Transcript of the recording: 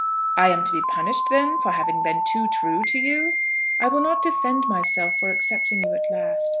"I am to be punished, then, for having been too true to you?" "I will not defend myself for accepting you at last.